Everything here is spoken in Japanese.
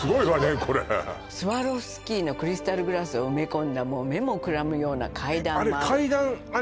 これスワロフスキーのクリスタルグラスを埋め込んだもう目もくらむような階段もある